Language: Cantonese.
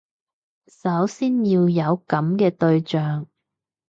首先要有噉嘅對象